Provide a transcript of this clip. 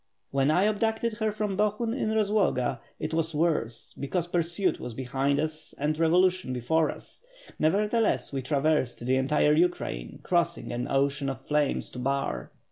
"When I abducted her from Bohun in Eozloga, it was worse, because pursuit was behind us and revolution before us; nevertheless, we traversed the entire Ukraine crossing an ocean of flames to Bar.